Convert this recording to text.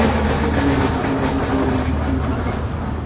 বাস্তব জীবনে অনেক কিছুর মাঝেই নরমাল ডিস্ট্রিবিউসন দেখা যায়।